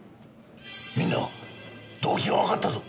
みんな動機がわかったぞ！